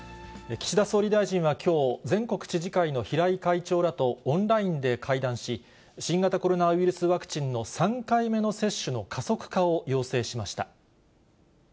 岸田総理大臣はきょう、全国知事会の平井会長らとオンラインで会談し、新型コロナウイルスワクチンの３回目の接種の加速化を要請しました。